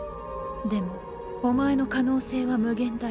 でもお前の可能性は無限大だ